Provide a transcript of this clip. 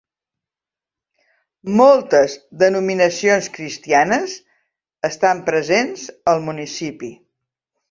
Moltes denominacions cristianes estan presents al municipi.